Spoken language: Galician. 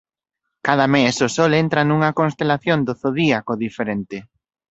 Cada mes o sol entra nunha constelación do zodíaco diferente.